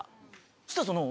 そしたらその。